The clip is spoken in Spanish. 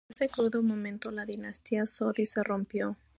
Desde ese crudo momento, la dinastía Sodi se rompió.